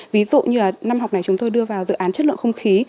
ví dụ như năm học này chúng tôi đưa vào dự án chất lượng không khí